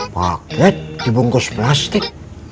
paket dibungkus plastik